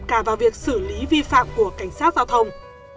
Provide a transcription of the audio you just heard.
cả vào việc xử lý vi phạm của cảnh sát giao thông